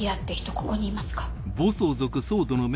ここにいますか？